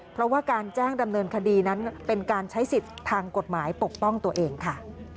เพราะว่าการแจ้งดำเนินคดีนั้นเป็นการใช้สิทธิ์ทางกฎหมายปกป้องตัวเองค่ะ